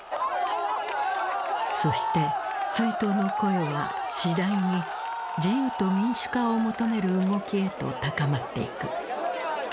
そして追悼の声は次第に自由と民主化を求める動きへと高まっていく。